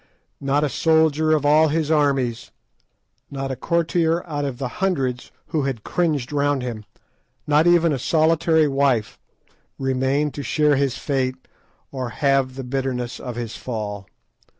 Not a soldier of all his armies, not a courtier out of the hundreds who had cringed round him, not even a solitary wife, remained to share his fate or halve the bitterness of his fall.